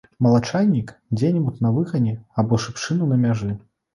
Малачайнік дзе-небудзь на выгане або шыпшыну на мяжы.